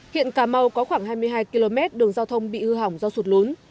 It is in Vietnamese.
hiện cà mau có khoảng hai mươi hai km đường giao thông bị hư hỏng do sụt lún